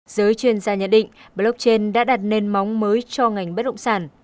giới chuyên gia nhận định blockchain đã đặt nền móng mới cho ngành bất động sản